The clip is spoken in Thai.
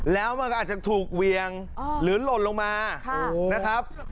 แล้วมันก็อาจจะถูกเวียงหรือหล่นลงมานะครับ